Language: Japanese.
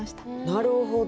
なるほど。